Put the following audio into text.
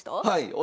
はい。